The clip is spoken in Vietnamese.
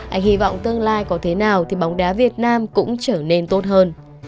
anh hy vọng tương lai có thế nào thì bóng đá việt nam cũng trở nên tốt hơn